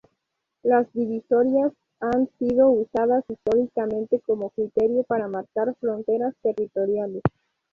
Las divisorias han sido usadas históricamente como criterio para marcar fronteras territoriales.